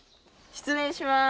失礼します。